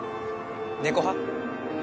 猫派？